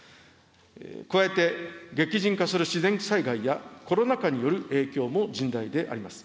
加えて、激甚化する自然災害やコロナ禍による影響も甚大であります。